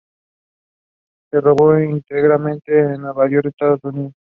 Se rodó íntegramente en Nueva York, Estados Unidos.